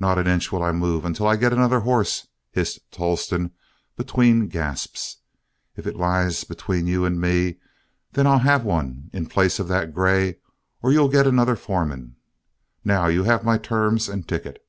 "Not an inch will I move until I get another horse," hissed Tolleston between gasps. "If it lies between you and me, then I'll have one in place of that gray, or you'll get another foreman. Now, you have my terms and ticket."